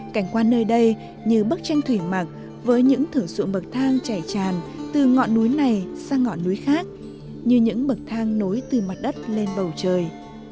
cảnh quan nơi đây như bức tranh thủy mặc với những thử ruộng bậc thang chảy tràn từ ngọn núi này sang ngọn núi khác như những bậc thang nối từ mặt đất lên bầu trời